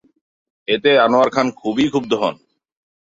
এতে আনোয়ার খান খুবই ক্ষুব্ধ হন।